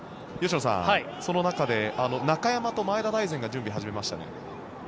吉野さん、その中で中山と前田大然が準備を始めましたね。